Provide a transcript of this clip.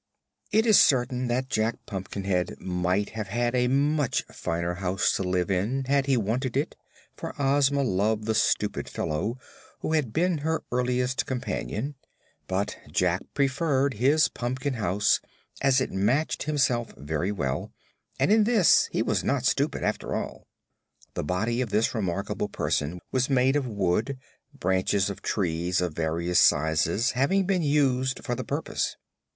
It is certain that Jack Pumpkinhead might have had a much finer house to live in had he wanted it, for Ozma loved the stupid fellow, who had been her earliest companion; but Jack preferred his pumpkin house, as it matched himself very well, and in this he was not so stupid, after all. The body of this remarkable person was made of wood, branches of trees of various sizes having been used for the purpose.